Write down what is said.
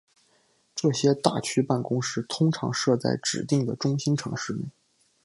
这些大区办公室通常设在指定的中心城市内。